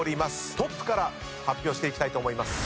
トップから発表していきたいと思います。